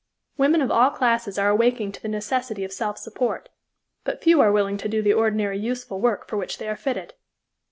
Women of all classes are awaking to the necessity of self support, but few are willing to do the ordinary useful work for which they are fitted.